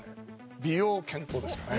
美容・健康ですかね。